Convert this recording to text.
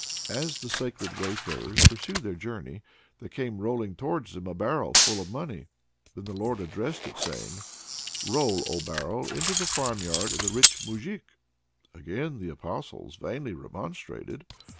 As the sacred wayfarers pursued their journey, there came rolling towards them a barrel full of money. Then the Lord addressed it, saying: "Roll, O barrel, into the farmyard of the rich moujik!" Again the Apostles vainly remonstrated.